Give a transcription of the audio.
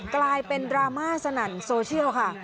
กลายเป็นดราม่าสนั่นโซเชียลค่ะ